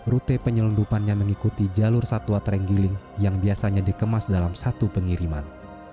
rute penyelundupannya mengikuti jalur satwa terenggiling yang biasanya dikemas dalam satu pengiriman